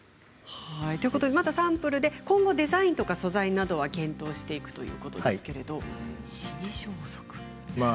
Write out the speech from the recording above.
まだサンプルで今後デザインとか素材などは検討していくということですけれど死に装束ですね。